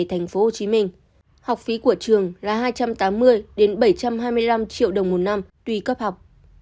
thành phố hồ chí minh học phí của trường là hai trăm tám mươi bảy trăm hai mươi năm triệu đồng một năm tùy cấp học